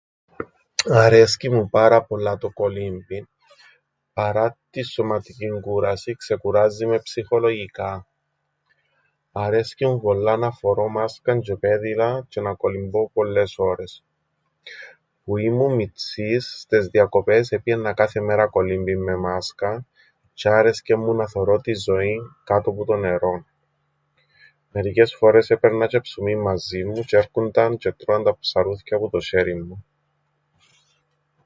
Αρέσκει μου πάρα πολλά το κολύμπιν. Παρά την σωματικήν κούρασην ξεκουράζει με ψυχολογικά. Αρέσκει μου πολλά να φορώ μάσκαν τζ̆αι πέδιλα τζ̆αι να κολυμπώ πολλές ώρες. Που ήμουν μιτσής στες διακοπές επήαιννα κάθε μέραν κολύμπιν με μάσκαν τζ̆αι άρεσκεν μου να θωρώ την ζωήν κάτω που το νερόν. Μερικές φορές έπαιρνα τζ̆αι ψουμίν μαζίν μου τζ̆αι έρκουνταν τζ̆αι ετρώαν τα ψαρούθκια που το σ̆έριν μου.